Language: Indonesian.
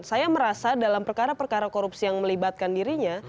saya merasa dalam perkara perkara korupsi yang melibatkan dirinya